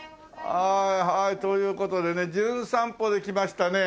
はいはいという事でね『じゅん散歩』で来ましたね